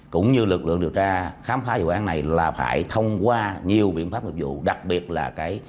cũng như lực lượng điều tra khám phá vụ án này là phải thông qua nhiều biện pháp hợp dụng